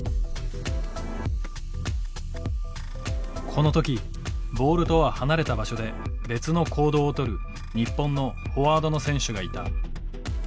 この時ボールとは離れた場所で別の行動をとる日本のフォワードの選手がいた。